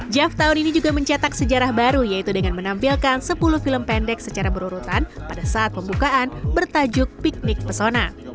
jav tahun ini juga mencetak sejarah baru yaitu dengan menampilkan sepuluh film pendek secara berurutan pada saat pembukaan bertajuk piknik pesona